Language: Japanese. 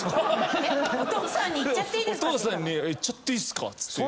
⁉お父さんにイっちゃっていいすか⁉って。